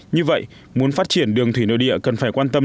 như vậy muốn phát triển đường thủy nội địa cần phải quan tâm